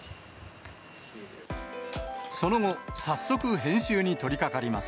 その後、早速編集に取り掛かります。